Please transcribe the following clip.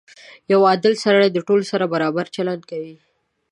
• یو عادل سړی د ټولو سره برابر چلند کوي.